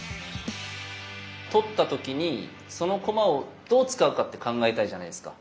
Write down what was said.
取った時にその駒をどう使うかって考えたいじゃないですか。